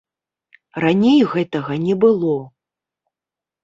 Раней гэтага не было.